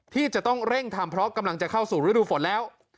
ที่จะต้องเร่งทำเพราะกำลังจะเข้าสู่ฤดูฝนแล้ว